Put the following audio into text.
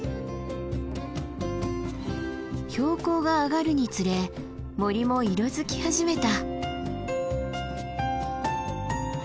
標高が上がるにつれ森も色づき始めた。